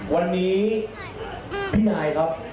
วันนี้พี่นายครับ